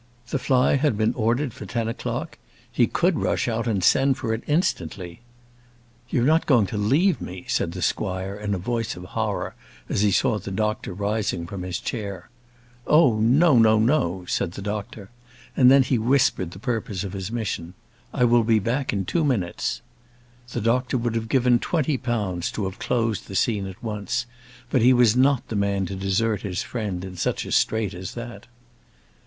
The fly had been ordered for ten o'clock. He could rush out and send for it instantly. "You're not going to leave me?" said the squire, in a voice of horror, as he saw the doctor rising from his chair. "Oh, no, no, no," said the doctor; and then he whispered the purpose of his mission. "I will be back in two minutes." The doctor would have given twenty pounds to have closed the scene at once; but he was not the man to desert his friend in such a strait as that.